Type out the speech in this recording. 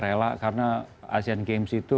rela karena asian games itu